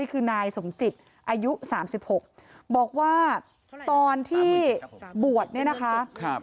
นี่คือนายสมจิตอายุสามสิบหกบอกว่าตอนที่บวชเนี้ยนะคะครับ